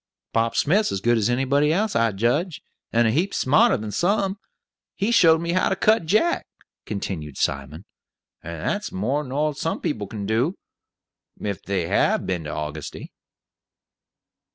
"Bob Smith's as good as anybody else, I judge; and a heap smarter than some. He showed me how to cut Jack," continued Simon, "and that's more nor some people can do, if they have been to Augusty."